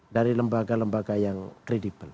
dari lembaga lembaga yang kredibel